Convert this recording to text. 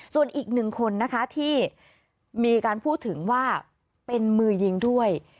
ส่วนอีกหนึ่งคนนะคะที่มีการพูดถึงว่าเป็นมือยิงด้วย